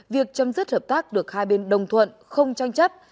việc chấm dứt hợp tác được hai bên đồng thuận không tranh chấp